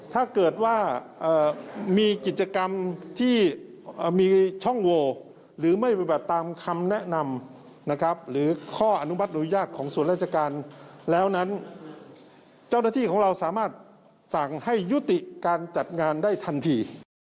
แล้วนั้นเจ้าหน้าที่ของเราสามารถสั่งให้ยุติการจัดงานได้ทันที